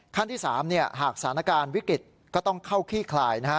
ขั้นที่๓หากสถานการณ์วิกฤตก็ต้องเข้าขี้คลายนะฮะ